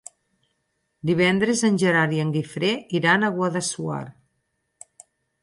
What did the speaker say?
Divendres en Gerard i en Guifré iran a Guadassuar.